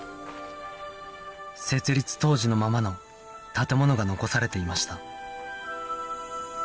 設立当時のままの建物が残されていました